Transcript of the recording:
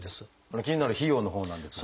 気になる費用のほうなんですが。